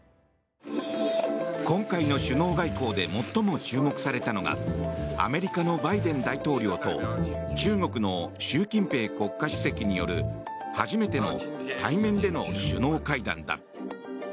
今回の首脳外交で最も注目されたのがアメリカのバイデン大統領と中国の習近平国家主席による初めての対面での首脳会談だ。